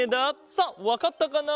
さあわかったかな？